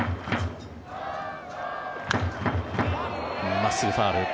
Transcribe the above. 真っすぐ、ファウル。